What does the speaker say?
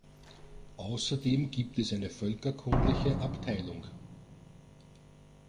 Außerdem gibt es eine völkerkundliche Abteilung.